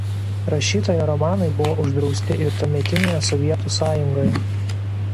Rašytojo romanai buvo uždrausti ir tuometinėje Sovietų Sąjungoje.